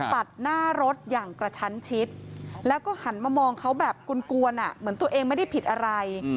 ตัดหน้ารถอย่างกระชั้นชิดแล้วก็หันมามองเขาแบบกลวนเหมือนตัวเองไม่ได้ผิดอะไร